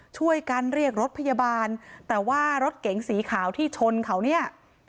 ช่วยกันเรียกรถพยาบาลแต่ว่ารถเก๋งสีขาวที่ชนเขาเนี่ย